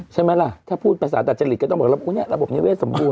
ใช่ไหมล่ะถ้าพูดภาษาตัดจริตก็ต้องบอกว่าระบบนิเวศสมบูรณ์